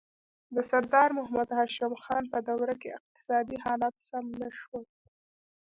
د سردار محمد هاشم خان په دوره کې اقتصادي حالات سم نه شول.